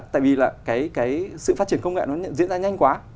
tại vì là cái sự phát triển công nghệ nó diễn ra nhanh quá